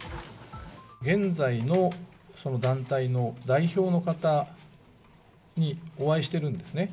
現在のその団体の代表の方にお会いしてるんですね。